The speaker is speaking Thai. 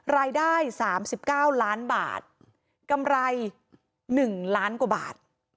รายได้สามสิบเก้าล้านบาทกำไรหนึ่งล้านกว่าบาท